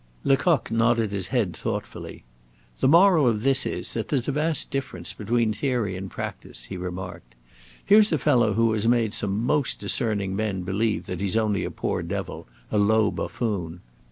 Lecoq nodded his head thoughtfully. "The moral of this is, that there's a vast difference between theory and practise," he remarked. "Here's a fellow who has made some most discerning men believe that he's only a poor devil, a low buffoon.